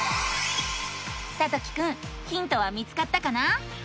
さときくんヒントは見つかったかな？